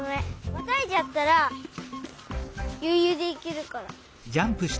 またいじゃったらよゆうでいけるから。